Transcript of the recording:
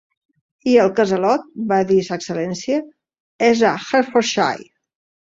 "I el Casalot", va dir Sa Excel·lència, "és a Hertfordshire".